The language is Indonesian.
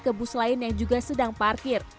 ke bus lain yang juga sedang parkir